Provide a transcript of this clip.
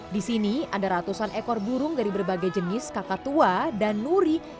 di sini ada ratusan ekor burung dari berbagai jenis kakak tua dan nuri